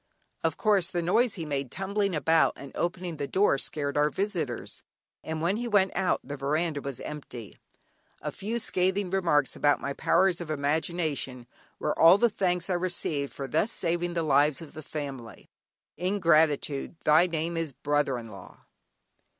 Of course, the noise he made tumbling about and opening the door scared our visitors, and when he went out, the veranda was empty. A few scathing remarks about my powers of imagination were all the thanks I received for thus saving the lives of the family. Ingratitude, thy name is brother in law!